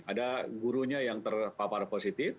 ada gurunya yang terpapar positif